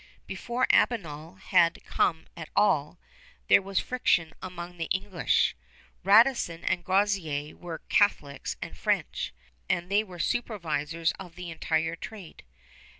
Before Albanel had come at all, there was friction among the English. Radisson and Groseillers were Catholics and French, and they were supervisors of the entire trade.